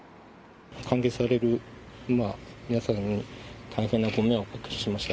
関係される皆さんに大変なご迷惑をおかけしました。